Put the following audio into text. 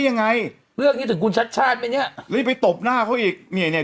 ยังไงเรื่องนี้ถึงคุณชัดชาติไหมเนี่ยรีบไปตบหน้าเขาอีกเนี่ย